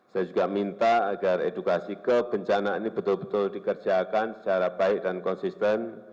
saya juga minta agar edukasi kebencanaan ini betul betul dikerjakan secara baik dan konsisten